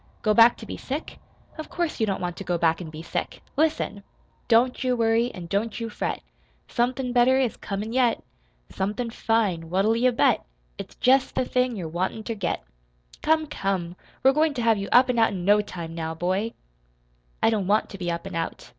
"Go back to be sick? Of course you don't want to go back an' be sick! Listen! Don't you worry, an' don't you fret. Somethin' better is comin' yet. Somethin' fine! What'll you bet? It's jest the thing you're wantin' ter get! Come, come! We're goin' to have you up an' out in no time, now, boy!" "I don't want to be up and out.